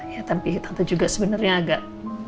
ya tapi tante juga sebenarnya agak